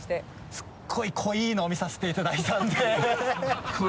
すっごい濃いの見させていただいたんで